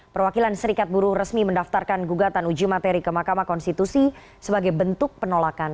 perwakilan serikat buruh resmi mendaftarkan gugatan uji materi ke mahkamah konstitusi sebagai bentuk penolakan